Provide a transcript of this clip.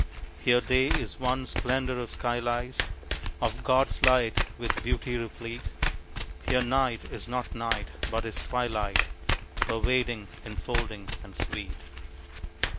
Here day is one splendor of sky light Of God's light with beauty replete. Here night is not night, but is twilight, Pervading, enfolding and sweet.